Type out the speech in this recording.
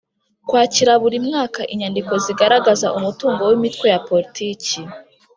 Kwakira buri mwaka inyandiko zigaragaza umutungo w imitwe ya politiki